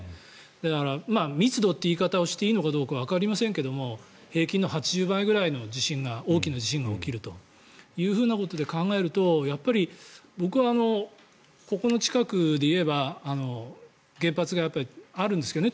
だから、密度という言い方をしていいのかどうかわかりませんが平均の８０倍ぐらいの大きな地震が起きるということで考えると僕は、ここの近くでいえば原発があるんですけどね。